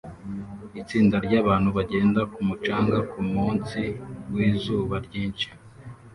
itsinda ryabantu bagenda ku mucanga kumunsi wizuba ryinshi